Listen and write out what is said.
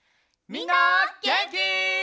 みんなげんき？